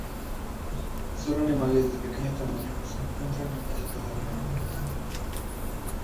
Son animales de pequeño tamaño que se encuentran en casi todo el mundo.